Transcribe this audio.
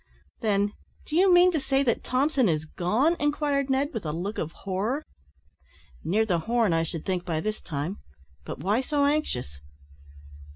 "Then, do you mean to say that Thompson is gone?" Inquired Ned, with a look of horror. "Near the Horn, I should think, by this time; but why so anxious?"